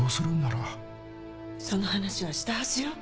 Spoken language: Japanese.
その話はしたはずよ。